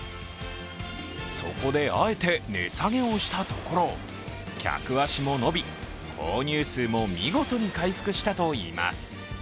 そこで、あえて値下げをしたところ客足も伸び購入数も見事に回復したといいます。